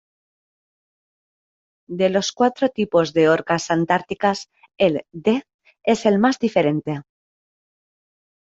De los cuatro tipos de orcas antárticas, el D es el más diferente.